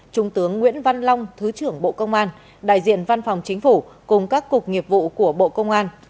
trung tướng nguyễn văn long thứ trưởng bộ công an đại diện văn phòng chính phủ cùng các cục nghiệp vụ của bộ công an